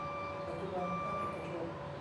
ปัจจุบันภาคเอกชน